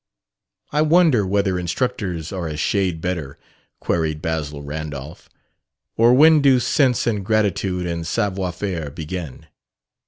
"I wonder whether instructors are a shade better," queried Basil Randolph. "Or when do sense and gratitude and savoir faire begin?"